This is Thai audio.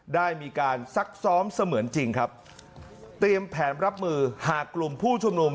ได้มีการซักซ้อมเสมือนจริงครับเตรียมแผนรับมือหากกลุ่มผู้ชุมนุม